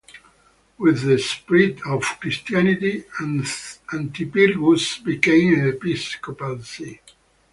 With the spread of Christianity, Antipyrgus became an episcopal see.